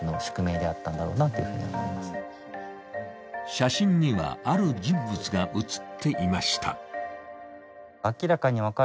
写真には、ある人物が写っていました。